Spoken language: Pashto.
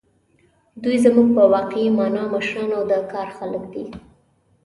دوی زموږ په واقعي مانا مشران او د کار خلک دي.